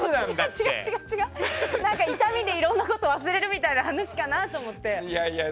痛みでいろんなこと忘れるみたいな話かなと思って。